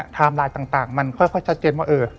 ไลน์ต่างมันค่อยชัดเจนว่า